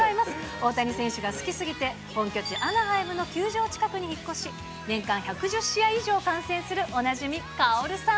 大谷選手が好きすぎて、本拠地、アナハイムの球場近くに引っ越し、年間１１０試合以上観戦する、おなじみカオルさん。